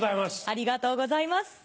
ありがとうございます。